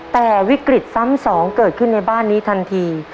แต่วิกฤตซ้ำสองเกิดขึ้นในบ้านนี้ทันที